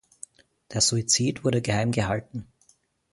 Der Suizid wurde geheimgehalten.